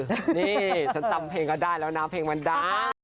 นี่ฉันจำเพลงก็ได้แล้วนะเพลงมันดัง